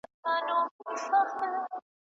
د بدن پاکوالی هره ورځ وساته